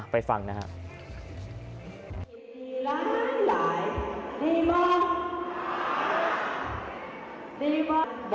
ไปฟังนะครับ